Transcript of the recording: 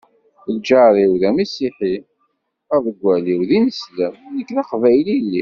Lǧar-iw d amasiḥi, aḍeggal-iw d ineslem, nekk d aqbayli i lliɣ.